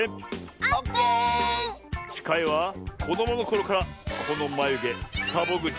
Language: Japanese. オッケー！しかいはこどものころからこのまゆげサボぐちひろしです。